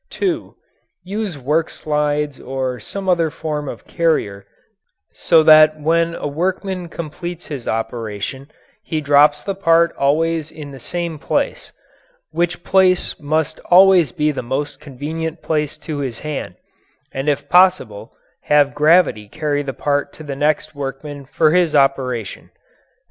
(2) Use work slides or some other form of carrier so that when a workman completes his operation, he drops the part always in the same place which place must always be the most convenient place to his hand and if possible have gravity carry the part to the next workman for his operation.